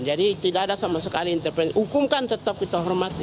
jadi tidak ada sama sekali intervensi hukum kan tetap kita hormati